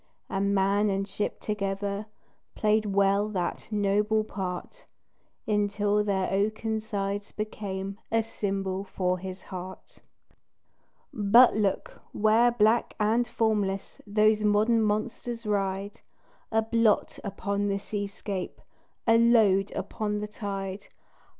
And man and ship together Played well that noble part, Until their oaken sides became A symbol for his heart. But look! where black and formless Those modern monsters ride A blot upon the seascape, A load upon the tide.